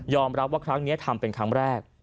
รับว่าครั้งนี้ทำเป็นครั้งแรก